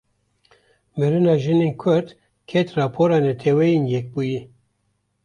Mirina jinên Kurd, ket rapora Neteweyên Yekbûyî